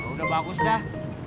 udah bagus dah